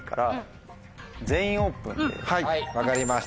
はい分かりました。